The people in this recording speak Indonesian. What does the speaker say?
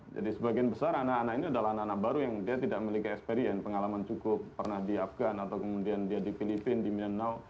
jadi sebagian besar anak anak ini adalah anak anak baru yang tidak memiliki experience pengalaman cukup pernah di afgan atau kemudian di filipina di minenau